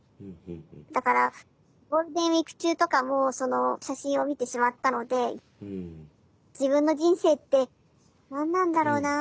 だからゴールデンウイーク中とかもその写真を見てしまったので自分の人生って何なんだろうなあ。